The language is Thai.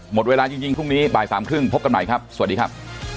หมดเวลาจริงพรุ่งนี้บ่ายสามครึ่งพบกันใหม่ครับสวัสดีครับ